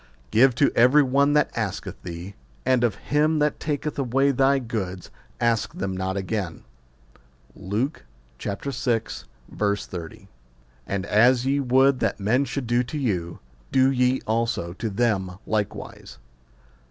Give to every one that asketh thee ; and of him that taketh away thy goods ask them not again. Luke vi. 30. And as ye would that men should do to you, do ye also to them likewise.